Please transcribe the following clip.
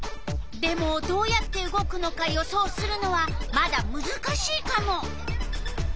でもどうやって動くのか予想するのはまだむずかしいカモ。